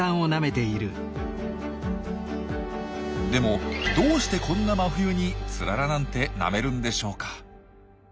でもどうしてこんな真冬にツララなんてなめるんでしょうか？